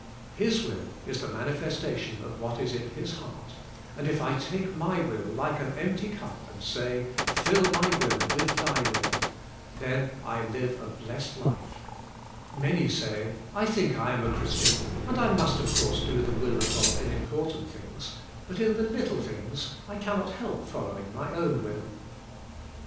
His will is the manifestation of what is in His heart, and if I take my will like an empty cup and say, "Fill my will with Thy will," then I live a blessed life. Manv sav, "I think I am a Christian and I must of course do the will of God in important things, but in the little things I can not help following my own will."